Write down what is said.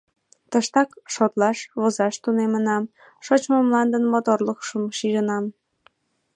Тыштак шотлаш, возаш тунемынам, шочмо мландын моторлыкшым шижынам.